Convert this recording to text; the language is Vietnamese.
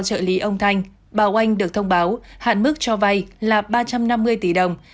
trợ lý của ông trần quý thanh bà oanh được thông báo hạn mức cho vay là ba trăm năm mươi tỷ đồng